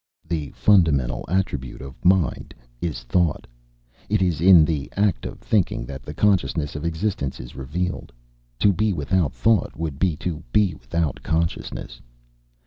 The fundamental attribute of mind is thought; it is in the act of thinking that the consciousness of existence is revealed; to be without thought would be to be without consciousness.